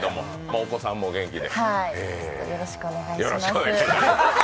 お子様もお元気で。